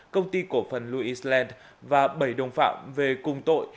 công ty cổ phần louis land và bảy đồng phạm về cùng tội